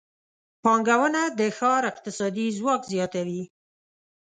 پانګونه د ښار اقتصادي ځواک زیاتوي.